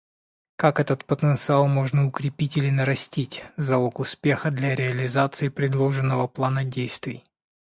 Как этот потенциал можно укрепить или нарастить — залог успеха для реализации предложенного плана действий.